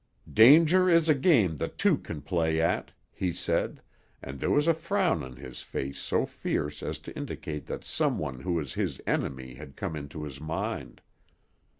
"Danger is a game that two can play at," he said, and there was a frown on his face so fierce as to indicate that some one who was his enemy had come into his mind.